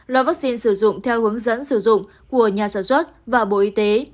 lò vaccine sử dụng theo hướng dẫn sử dụng của nhà sản xuất và bộ y tế